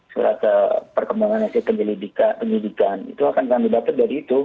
surata perkembangan nasib penyidikan itu akan kami dapat dari itu